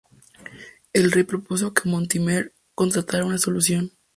El rey propuso que Mortimer encontrara una solución.